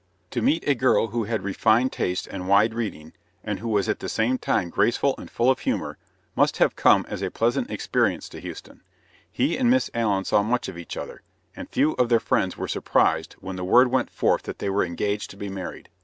To meet a girl who had refined tastes and wide reading, and who was at the same time graceful and full of humor, must have come as a pleasant experience to Houston. He and Miss Allen saw much of each other, and few of their friends were surprised when the word went forth that they were engaged to be married.